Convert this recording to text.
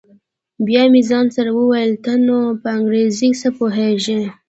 بيا مې ځان سره وويل ته نو په انګريزۍ څه پوهېږې.